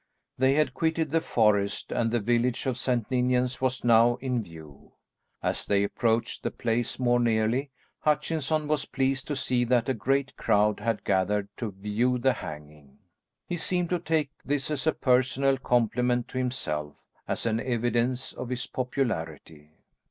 They had quitted the forest, and the village of St. Ninians was now in view. As they approached the place more nearly, Hutchinson was pleased to see that a great crowd had gathered to view the hanging. He seemed to take this as a personal compliment to himself; as an evidence of his popularity.